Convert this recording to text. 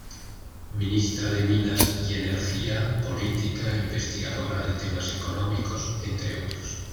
Ministra de Minas y Energía, política, investigadora de temas económicos, entre otros.